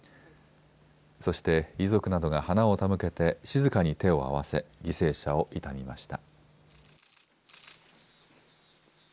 そして遺族などが花を手向けて静かに手を合わせ犠牲者を悼みました。